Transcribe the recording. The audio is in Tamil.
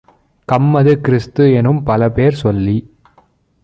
கம்மது, கிறிஸ்து-எனும் பலபேர் சொல்லிச்